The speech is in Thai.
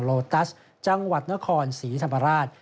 โลตัสจังหวัดนครศรีธรรมราช